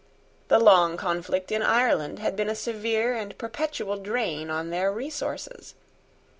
The long conflict in Ireland had been a severe and perpetual drain on their resources.